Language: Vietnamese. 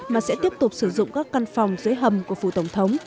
mà sẽ tiếp tục sử dụng các căn phòng dưới hầm của phủ tổng thống